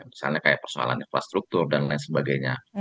misalnya kayak persoalan infrastruktur dan lain sebagainya